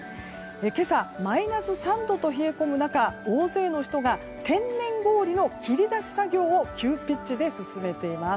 今朝、マイナス３度と冷え込む中大勢の人が天然氷の切り出し作業を急ピッチで進めています。